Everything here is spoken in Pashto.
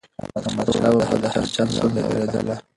احمدشاه بابا به د هر چا ستونزه اوريدله.